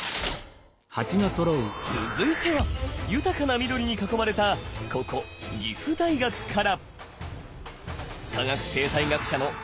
続いては豊かな緑に囲まれたここ岐阜大学から。